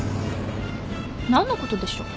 何のことでしょう？